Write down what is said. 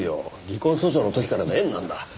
離婚訴訟の時からの縁なんだ。